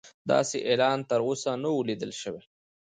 داسې اعلان تر اوسه نه و لیدل شوی.